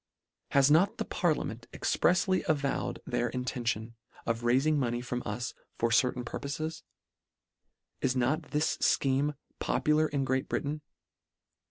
Has not the parliament exprefsly avowed their intention of railing money from us for certain purpofes? Is not this fcheme popu lar in Great Britain